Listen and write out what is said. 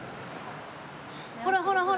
ほらほらほら